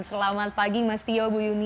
selamat pagi mas tio bu yuni